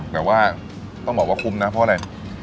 แต่ว่าต้องบอกว่าคุ้มนะเพราะอะไร